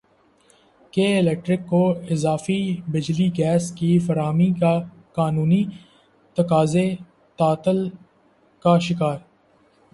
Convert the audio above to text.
کے الیکٹرک کو اضافی بجلی گیس کی فراہمی کے قانونی تقاضے تعطل کا شکار